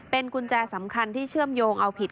เป็นกุญแจสำคัญที่เชื่อมโยงเอาผิด